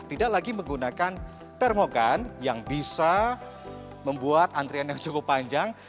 tidak lagi menggunakan termogan yang bisa membuat antrian yang cukup panjang